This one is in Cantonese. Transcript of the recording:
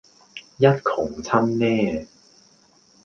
一窮親呢